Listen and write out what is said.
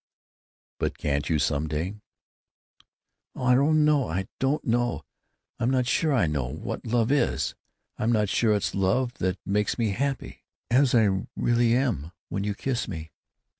"But can't you, some day——" "Oh, I don't know, I don't know! I'm not sure I know what love is. I'm not sure it's love that makes me happy (as I really am) when you kiss me.